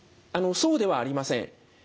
そうではありません。